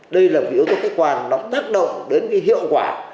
đây là một yếu tố khách quan nó tác động đến cái hiệu quả